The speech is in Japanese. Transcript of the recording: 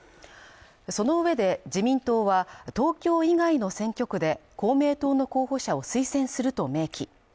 その上で、自民党は東京以外の選挙区で、公明党の候補者を推薦すると明記。